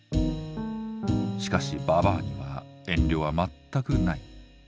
しかしばばあには遠慮は全くない。